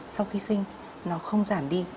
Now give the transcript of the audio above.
sau khi sinh nó không giảm đi